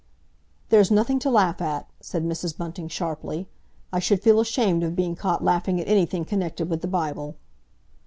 "There's nothing to laugh at," said Mrs. Bunting sharply. "I should feel ashamed of being caught laughing at anything connected with the Bible."